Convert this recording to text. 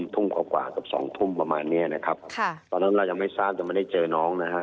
ทุ่มกว่ากับ๒ทุ่มประมาณเนี้ยนะครับตอนนั้นเรายังไม่ทราบยังไม่ได้เจอน้องนะฮะ